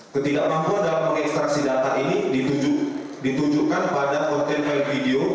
ketidakmampuan dalam mengekstraksi data ini ditujukan pada konten video